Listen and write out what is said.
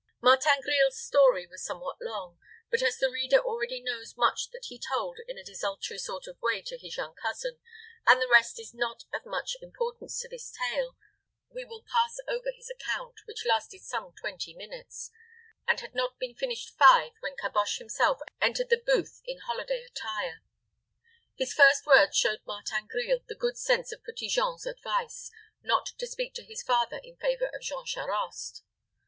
Martin Grille's story was somewhat long; but as the reader already knows much that he told in a desultory sort of way to his young cousin, and the rest is not of much importance to this tale, we will pass over his account, which lasted some twenty minutes, and had not been finished five when Caboche himself entered the booth in holiday attire. His first words showed Martin Grille the good sense of Petit Jean's advice, not to speak to his father in favor of Jean Charost.